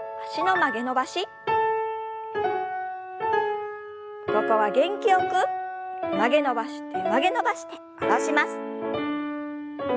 曲げ伸ばして曲げ伸ばして下ろします。